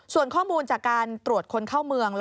ส่วนข้อมูลจากการตรวจคนเข้าเมือง